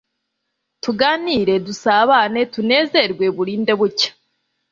tuganire dusabane tunezerwe burinde bucya